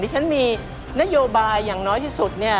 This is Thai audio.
ฉันมีนโยบายอย่างน้อยที่สุดเนี่ย